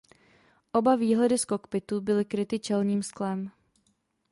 Oba výhledy z kokpitu byly kryty čelním sklem.